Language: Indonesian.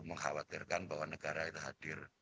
mengkhawatirkan bahwa negara itu hadir